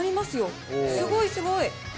すごい、すごい。